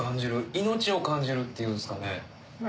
命を感じるっていうんですかね？